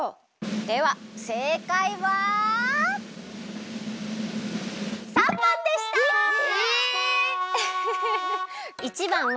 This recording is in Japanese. ではせいかいは③ばんでした！え！？